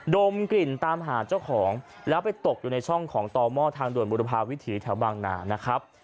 ดมกลิ่นตามหาเจ้าของแล้วไปตกอยู่ในช่องของต่อหม้อทางด่วนบุรพาวิถีแถวบางนานะครับ